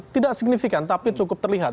ya cukup signifikan tapi cukup terlihat